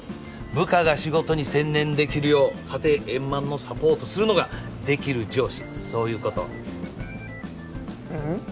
部下が仕事に専念できるよう家庭円満のサポートするのができる上司そういうことうん？